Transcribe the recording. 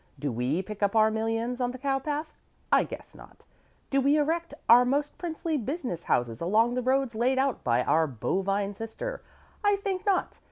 Do we pick up our millions on the cowpath? I guess not. Do we erect our most princely business houses along the roads laid out by our bovine sister? I think not.